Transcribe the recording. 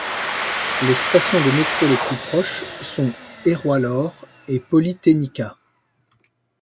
Les stations de métro les plus proches sont Eroilor et Politehnica.